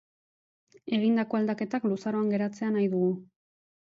Egindako aldaketak luzaroan geratzea nahi dugu.